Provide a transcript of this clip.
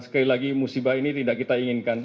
sekali lagi musibah ini tidak kita inginkan